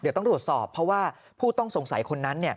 เดี๋ยวต้องตรวจสอบเพราะว่าผู้ต้องสงสัยคนนั้น